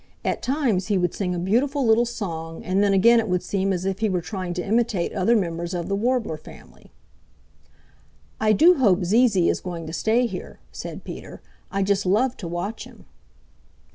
At times he would sing a beautiful little song and then again it would seem as if he were trying to imitate other members of the Warbler family. "I do hope Zee Zee is going to stay here," said Peter. "I just love to watch him."